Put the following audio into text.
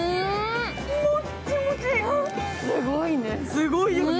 すごいね！